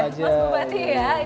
mas bup aja